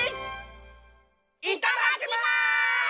いただきます！